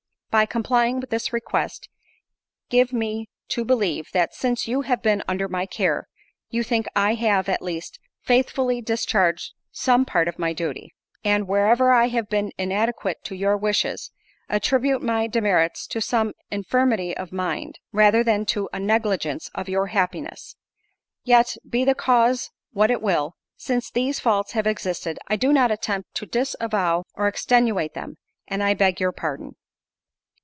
By complying with this request, give me to believe, that, since you have been under my care, you think I have, at least, faithfully discharged some part of my duty. And wherever I have been inadequate to your wishes, attribute my demerits to some infirmity of mind, rather than to a negligence of your happiness. Yet, be the cause what it will, since these faults have existed, I do not attempt to disavow or extenuate them, and I beg your pardon.